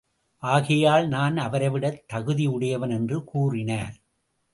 ஆகையால் நான் அவரைவிட தகுதியுடையவன் என்று கூறினார்.